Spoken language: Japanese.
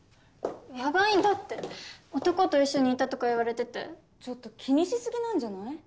やばいんだって男と一緒にいたとか言われててちょっと気にしすぎなんじゃない？